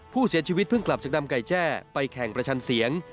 ผู้เสียชีวิตเพิ่งกลับจากนำไก่แจ้ไปแข่งประชันเสียง